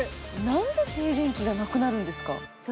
なんで静電気がなくなるんですか？